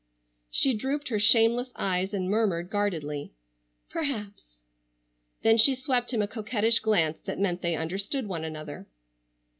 She drooped her shameless eyes and murmured guardedly, "Perhaps." Then she swept him a coquettish glance that meant they understood one another.